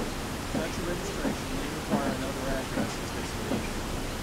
Such a registration may require another address as destination.